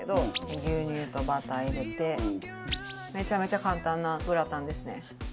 「牛乳とバター入れて」「めちゃめちゃ簡単なグラタンですね」